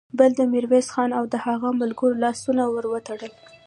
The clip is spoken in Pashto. بل د ميرويس خان او د هغه د ملګرو لاسونه ور وتړل.